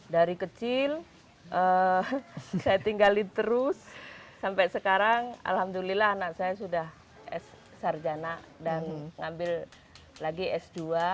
dari kecil saya tinggalin terus sampai sekarang alhamdulillah anak saya sudah s sarjana dan ngambil lagi s dua